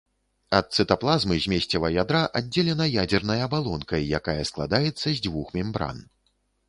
Ад цытаплазмы змесціва ядра аддзелена ядзернай абалонкай, якая складаецца з дзвюх мембран.